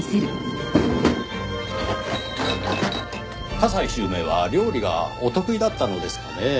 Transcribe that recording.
加西周明は料理がお得意だったのですかねぇ？